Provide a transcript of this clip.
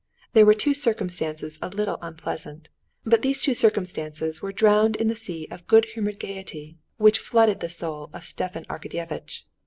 There were two circumstances a little unpleasant, but these two circumstances were drowned in the sea of good humored gaiety which flooded the soul of Stepan Arkadyevitch.